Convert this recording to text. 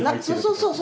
そうそう。